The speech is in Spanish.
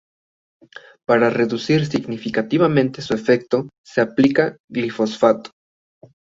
Para reducir significativamente su efecto se aplica glifosato.